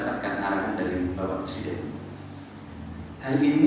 hari ini kami mendapatkan arahan dari bapak presiden hari ini kami mendapatkan arahan dari bapak presiden